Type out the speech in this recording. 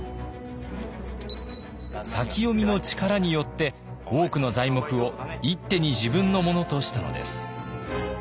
先読みの力によって多くの材木を一手に自分のものとしたのです。